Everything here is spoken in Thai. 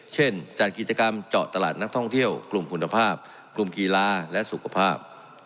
เช่นจัดกิจกรรมเจาะตลาดนักท่องเที่ยวกลุ่มคุณภาพกลุ่มกีฬาและสุขภาพ